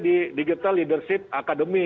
di digital leadership akademi